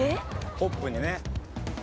「ポップにね」